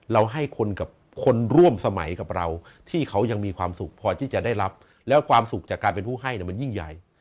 เราให้คนกับคนร่วมสมัยกับเราที่เขายังมีความสุขพอที่จะได้รับแล้วความสุขจากการเป็นผู้ให้มันยิ่งใหญ่